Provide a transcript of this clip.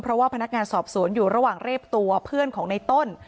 เพราะว่าพนักงานสอบสวนอยู่ระหว่างเรียบตัวเพื่อนของในต้น